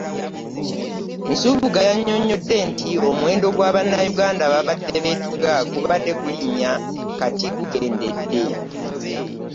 Nsubuga yannyonnyodde nti omuwendo gwa bannayuganda ababadde beetuga gubadde gulinnya kati gukendedde